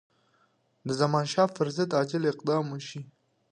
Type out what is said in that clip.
د زمانشاه پر ضد عاجل اقدام وشي.